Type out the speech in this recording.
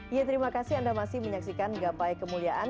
ya terima kasih anda masih menyaksikan gapai kemuliaan